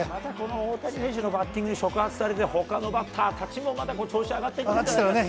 大谷選手のバッティングに触発されて、ほかのバッターたちも調子上がってきたらね。